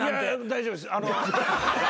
大丈夫です。